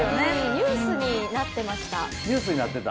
ニュースになってました。